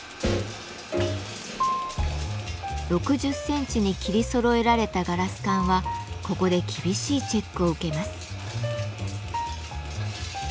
６０センチに切りそろえられたガラス管はここで厳しいチェックを受けます。